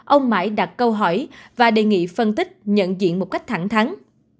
ông mãi đặt câu hỏi và đề nghị phân tích nhận diện một cách thẳng thắng